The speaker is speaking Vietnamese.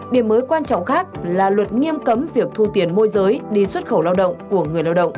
điểm mới quan trọng khác là luật nghiêm cấm việc thu tiền môi giới đi xuất khẩu lao động của người lao động